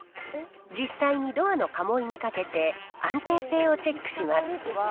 実際にドアのかもいにかけて、安定性をチェックします。